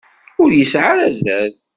Ur yesɛi ara azal.